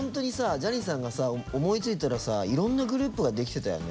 ジャニーさんが思いついたらさいろんなグループができてたよね。